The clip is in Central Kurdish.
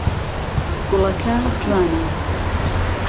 گوڵەکە جوانە.